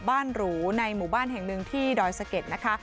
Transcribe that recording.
หรูในหมู่บ้านแห่งหนึ่งที่ดอยสะเก็ดนะคะ